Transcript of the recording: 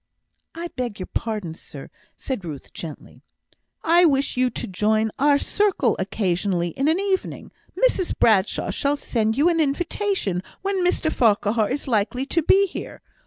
"I beg your pardon, sir," said Ruth, gently. "I wish you to join our circle occasionally in an evening; Mrs Bradshaw shall send you an invitation when Mr Farquhar is likely to be here.